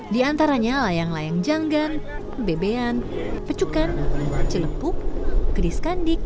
di antaranya layang layang janggan bb an pecukan celepuk kedis kandik